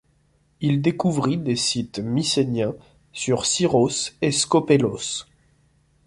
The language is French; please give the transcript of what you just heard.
Il découvrit des sites mycéniens sur Syros et Skópelos.